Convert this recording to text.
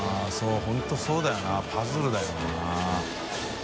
本当そうだよなパズルだよな。